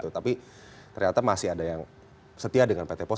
tapi ternyata masih ada yang setia dengan pt pos